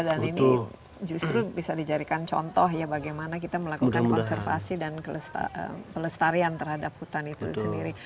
dan ini justru bisa dijadikan contoh ya bagaimana kita melakukan konservasi dan pelestarian terhadap hutan itu sendiri